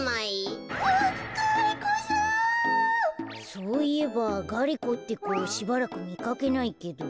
そういえばガリ子ってこしばらくみかけないけど。